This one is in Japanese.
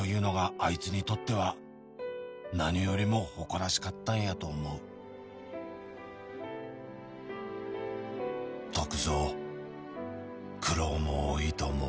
「あいつにとっては何よりも誇らしかったんやと思う」「篤蔵」「苦労も多いと思う」